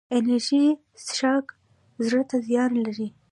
انرژي څښاک زړه ته زیان لري